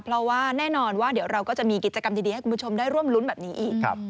เพราะว่าแน่นอนว่าเดี๋ยวเราก็จะมีกิจกรรมดีให้คุณผู้ชมได้ร่วมรุ้นแบบนี้อีก